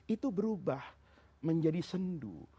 itu berubah menjadi sendu